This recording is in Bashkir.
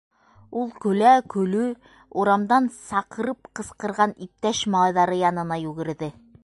— Ул, көлә-көлө, урамдан саҡырып ҡысҡырған иптәш малайҙары янына йүгерҙе.